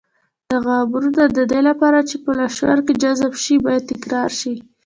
دغه امرونه د دې لپاره چې په لاشعور کې جذب شي بايد تکرار شي.